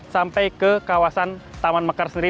sampai ke kawasan taman mekar sendiri